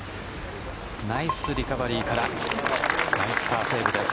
ナイスリカバリーからナイスパーセーブです。